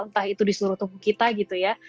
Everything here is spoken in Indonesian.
entah itu di seluruh tubuh kita gitu ya